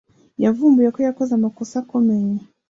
Yavumbuye ko yakoze amakosa akomeye.